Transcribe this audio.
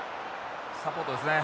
サポートですね。